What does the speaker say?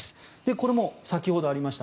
これも先ほどありました